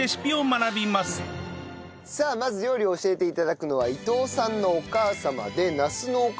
さあまず料理を教えて頂くのは伊藤さんのお母様でナス農家